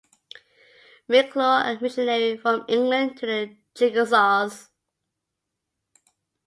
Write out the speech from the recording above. McClure, a missionary from England to the Chickasaws.